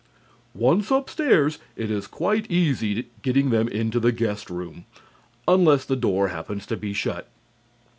"Once upstairs, it is quite easy getting them into the guest room, unless the door happens to be shut.